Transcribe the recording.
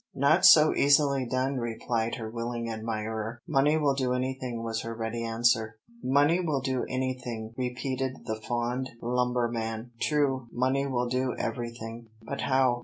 "Not so easily done," replied her willing admirer. "Money will do anything," was her ready answer. "Money will do anything," repeated the fond lumberman; "true, money will do everything." But how?